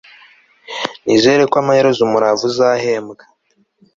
nizera ko amaherezo umurava uzahembwa